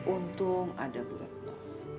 untung ada bu retno